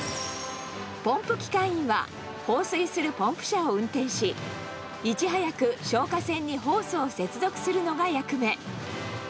ポンプ機関員は、放水するポンプ車を運転し、いち早く消火栓にホースを接続するのが役目。